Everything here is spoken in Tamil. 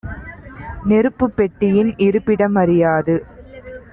நெருப்புப் பெட்டியின் இருப்பிடம் அறியாது